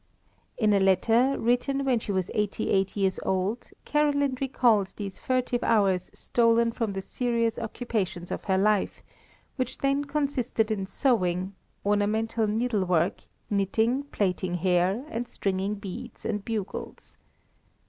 In a letter, written when she was eighty eight years old, Caroline recalls these furtive hours stolen from the serious occupations of her life, which then consisted in sewing, "ornamental needlework, knitting, plaiting hair, and stringing beads and bugles."